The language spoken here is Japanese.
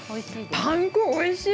パン粉がおいしい。